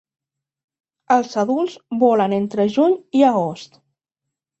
Els adults volen entre juny i agost.